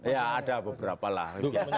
ya ada beberapa lah